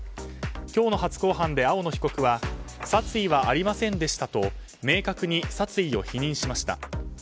今日の初公判で青野被告は殺意はありませんでしたと明確に殺意を否認しました。